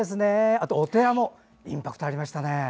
あと、お寺もインパクトありましたね。